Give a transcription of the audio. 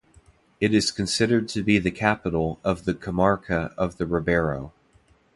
It is considered to be the capital of the comarca of the Ribeiro.